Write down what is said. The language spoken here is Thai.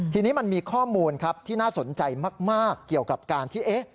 ทีนี้มันมีข้อมูลครับที่น่าสนใจมากเกี่ยวกับการที่